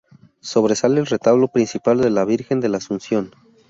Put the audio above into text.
Sobresale el retablo principal de la "Virgen de la Asunción".